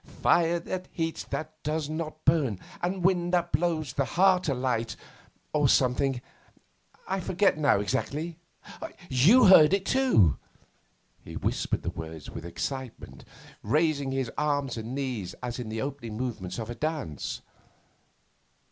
'Fire that heats but does not burn, and wind that blows the heart alight, or something I forget now exactly. You heard it too.' He whispered the words with excitement, raising his arms and knees as in the opening movements of a dance.